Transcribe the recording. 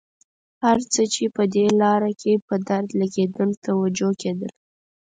هر څه چې په دې لاره کې په درد لګېدل توجه کېدله.